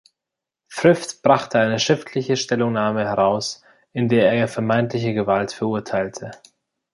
Thrift brachte eine schriftliche Stellungnahme heraus, in der er die vermeintliche Gewalt verurteilte.